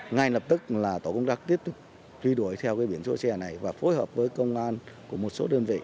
ngay lập tức tổ công tác tiếp truy đuổi theo biển số xe này và phối hợp với công an của một số đơn vị